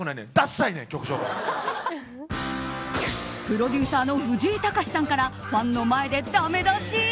プロデューサーの藤井隆さんからファンの前でだめ出し？